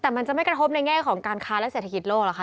แต่มันจะไม่กระทบในแง่ของการค้าและเศรษฐกิจโลกเหรอคะ